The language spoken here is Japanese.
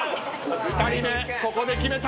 ２人目ここで決めたい。